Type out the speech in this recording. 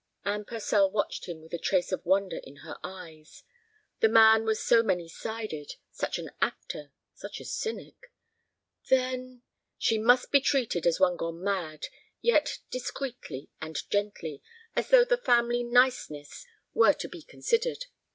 Anne Purcell watched him with a trace of wonder in her eyes. The man was so many sided, such an actor, such a cynic. "Then—" "She must be treated as one gone mad, yet discreetly and gently, as though the family niceness were to be considered.